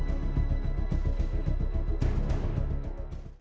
saya tidak tahu